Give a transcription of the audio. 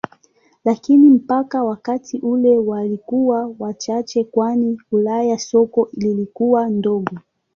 Lakini mpaka wakati ule walikuwa wachache kwani Ulaya soko lilikuwa dogo.